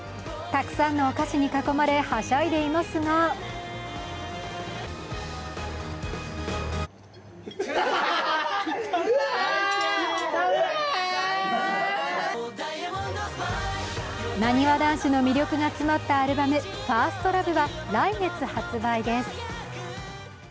たくさんのお菓子に囲まれ、はしゃいでいますがなにわ男子の魅力が詰まったアルバム「１ｓｔＬｏｖｅ」は来月発売です。